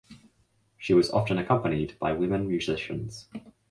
She was often accompanied by women musicians.